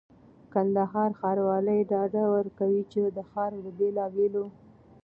کندهار ښاروالي ډاډ ورکوي چي د ښار د بېلابېلو